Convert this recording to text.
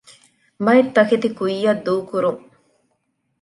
ބައެއް ތަކެތި ކުއްޔައްދޫކުރުން